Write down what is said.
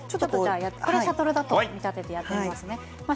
これをシャトルに見立ててやってみますね。